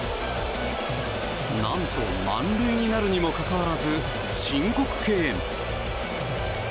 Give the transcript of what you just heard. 何と満塁になるにもかかわらず申告敬遠。